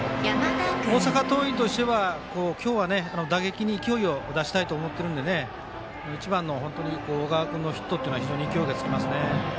大阪桐蔭としては今日は、打撃に勢いを出したいと思ってるので１番の小川君のヒットというのは非常に勢いがつきますね。